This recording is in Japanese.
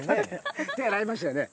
手洗いましたよね？